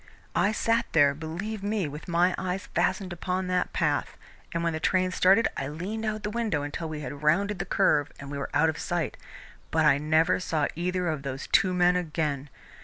I sat there, believe me, with my eyes fastened upon that path, and when the train started I leaned out of the window until we had rounded the curve and we were out of sight, but I never saw either of those two men again.